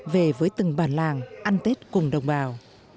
về với từng bản làng ăn tết cùng đồng bào